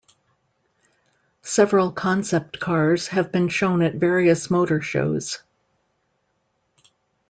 Several concept cars have been shown at various motor shows.